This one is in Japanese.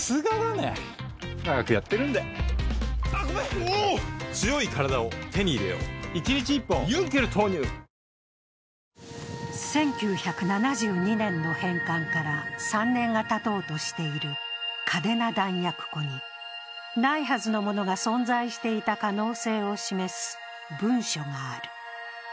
復帰から３年、ないはずのものが１９７２年の返還から３年がたとうとしている嘉手納弾薬庫にないはずのものが存在していた可能性を示す文書がある。